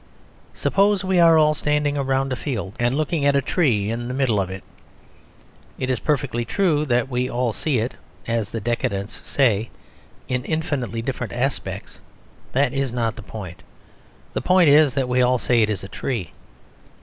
Suppose we are all standing round a field and looking at a tree in the middle of it. It is perfectly true that we all see it (as the decadents say) in infinitely different aspects: that is not the point; the point is that we all say it is a tree.